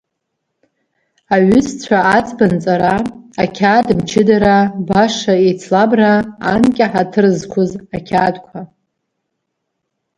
Аҩызцәа аӡбанҵараа, ақьаад мчыдараа, баша еицлабраа, анкьа ҳаҭыр зқәыз ақьаадқәа!